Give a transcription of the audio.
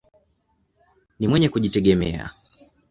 Ni mwenye kujitegemea.